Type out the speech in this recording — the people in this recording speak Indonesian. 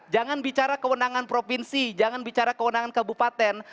jangan bicara kewenangan provinsi jangan bicara kewenangan kabupaten